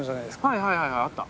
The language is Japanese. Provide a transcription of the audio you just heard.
はいはいはいあった。